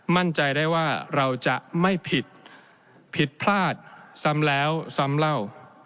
มั่นใจได้ว่าเราจะไม่ผิดผิดพลาดซ้ำแล้วซ้ำเล่า